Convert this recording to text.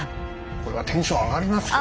これはテンション上がりますよね！